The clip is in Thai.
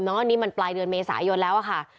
อันนี้มันปลายเดือนเมษายนแล้วค่ะ